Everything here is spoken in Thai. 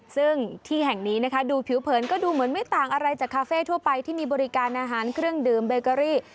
ซึ่งที่แห่งนี้นะคะดูผิวเผินก็ดูเหมือนไม่ต่างอะไรจากคาเฟ่ทั่วไปที่มีบริการอาหารเครื่องดื่มเบเกอรี่